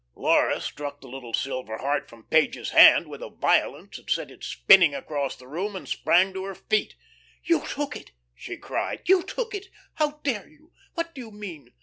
Laura struck the little silver heart from Page's hand, with a violence that sent it spinning across the room, and sprang to her feet. "You took it!" she cried. "You took it! How dare you! What do you mean?